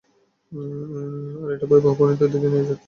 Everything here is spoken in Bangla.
আর এটা ভয়াবহ পরিণতির দিকেই নিয়ে যেতো।